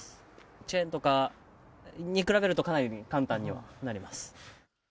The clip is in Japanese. チェーンとかに比べると、かなり簡単にはなります。